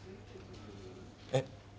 えっ？